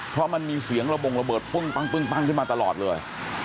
เพราะมันมีเสียงระบงระเบิดปุ้งปั้งขึ้นมาตลอดเลย